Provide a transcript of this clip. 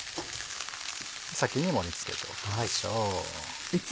先に盛り付けておきましょう。